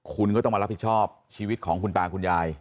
คุณก็ต้องมารับผิดชอบชีวิตของคุณตาคุณยาย